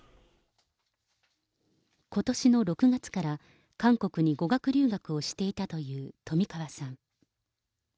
ことしの６月から韓国に語学留学をしていたという冨川さん。